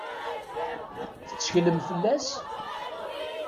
Tetteklem fell-as?